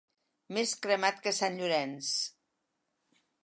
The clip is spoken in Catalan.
Més cremat que sant Llorenç.